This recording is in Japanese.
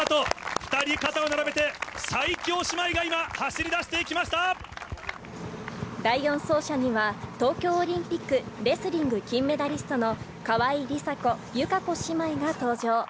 ２人肩を並べて、最強姉妹が今、第４走者には、東京オリンピックレスリング金メダリストの川井梨紗子、友香子姉妹が登場。